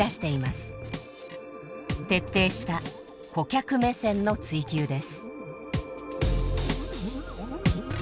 徹底した顧客目線の追求です。